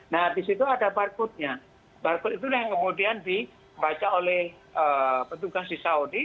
nah di situ ada barcode nya barcode itulah yang kemudian dibaca oleh petugas di saudi